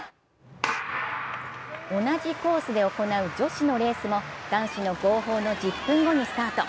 同じコースで行う女子のレースも男子の号砲の１０分後にスタート。